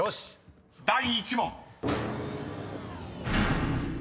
第１問］